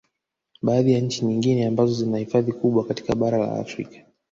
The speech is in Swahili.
Baadhi ya nchi nyingine ambazo zina hifadhi kubwa katika bara la Afrika